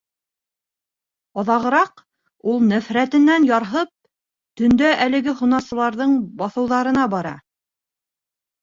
Аҙағыраҡул, нәфрәтенән ярһып, төндә әлеге һунарсыларҙың баҫыуҙарына бара...